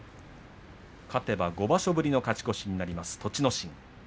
勝てば５場所ぶりの勝ち越しになります、栃ノ心。